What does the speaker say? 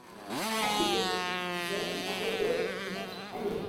At the beginning, Wenpei lives a modest life with Yiping.